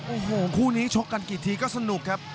โอ้โหคู่นี้ชกกันกี่ทีก็สนุกครับ